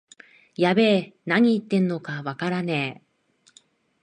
やべえ、なに言ってんのかわからねえ